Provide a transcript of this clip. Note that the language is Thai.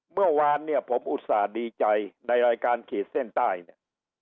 เมื่อวานเนี่ยผมอุตส่าห์ดีใจในรายการขีดเส้นใต้เนี่ย